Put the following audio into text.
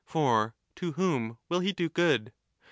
For to whom will he do good